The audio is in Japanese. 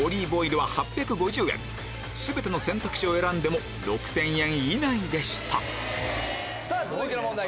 全ての選択肢を選んでも６０００円以内でした続いての問題